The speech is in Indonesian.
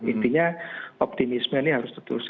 intinya optimisme ini harus terus kita jalankan